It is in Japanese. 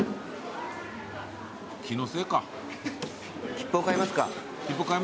切符を買いますか。